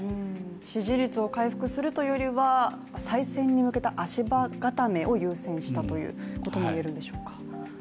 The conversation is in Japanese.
支持率を回復するというよりは再選に向けた足場がためを優先したということが言えるんでしょうか。